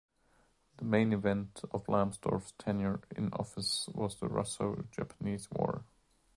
The main event of Lamsdorf's tenure in office was the Russo-Japanese War.